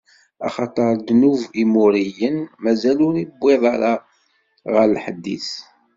Axaṭer ddnub n Imuriyen mazal ur iwwiḍ ara ɣer lḥedd-is.